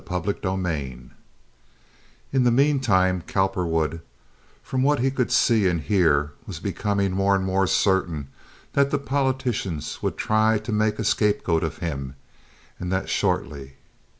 Chapter XXXIII In the meantime Cowperwood, from what he could see and hear, was becoming more and more certain that the politicians would try to make a scapegoat of him, and that shortly.